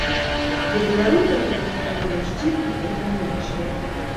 Для беларуса гэта сфера яшчэ і эканамічная.